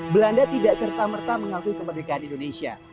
belanda tidak serta merta mengakui kemerdekaan indonesia